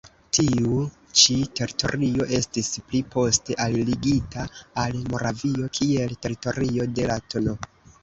Tiu ĉi teritorio estis pli poste alligita al Moravio kiel teritorio de la tn.